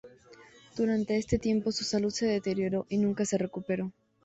Durante este tiempo, su salud se deterioró, y nunca se recuperó.